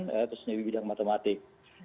khususnya di bidang matematik